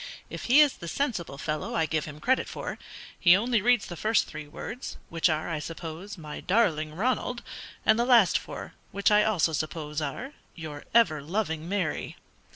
If he is the sensible fellow I give him credit for, he only reads the first three words, which are, I suppose, 'my darling Ronald' and the last four, which I also suppose are 'your ever loving Mary.'"